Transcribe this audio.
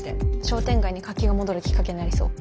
商店街に活気が戻るきっかけになりそう。